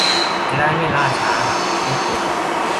จะได้ไม่ล่าช้าหากถูกเรียกตรวจ